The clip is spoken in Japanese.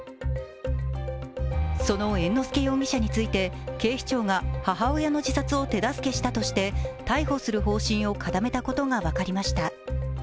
その猿之助容疑者について警視庁が母親の自殺を手助けしたとして逮捕する方針を固めたことが分かりました。